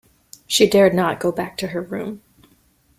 She dared not go back to her room.